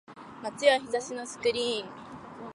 街は日差しのスクリーン